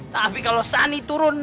tapi kalau sani turun